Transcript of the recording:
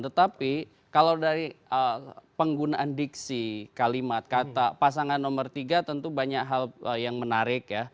tetapi kalau dari penggunaan diksi kalimat kata pasangan nomor tiga tentu banyak hal yang menarik ya